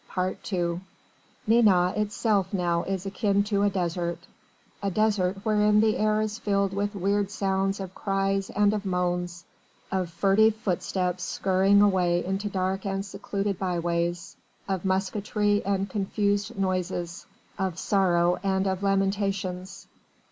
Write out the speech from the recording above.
II Nantes itself now is akin to a desert a desert wherein the air is filled with weird sounds of cries and of moans, of furtive footsteps scurrying away into dark and secluded byways, of musketry and confused noises, of sorrow and of lamentations.